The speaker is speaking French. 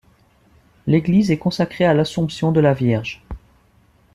L'église est consacrée à l’Assomption de la Vierge.